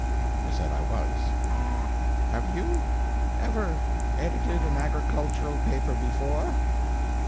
I said I was. "Have you ever edited an agricultural paper before?"